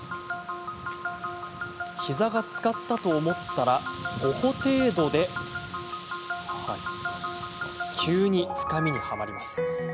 膝がつかったと思ったら５歩程度で急に深みに、はまります。